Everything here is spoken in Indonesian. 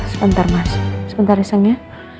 sebentar mas sebentar iseng ya